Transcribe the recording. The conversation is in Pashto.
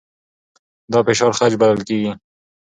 دا فشار خج بلل کېږي.